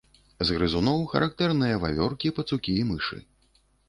З грызуноў характэрныя вавёркі, пацукі і мышы.